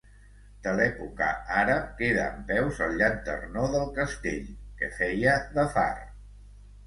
De l'època àrab queda en peus el llanternó del castell, que feia de far.